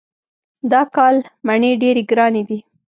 دا کال مڼې ډېرې ګرانې دي.